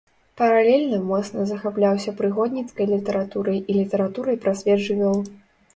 Паралельна моцна захапляўся прыгодніцкай літаратурай і літаратурай пра свет жывёл.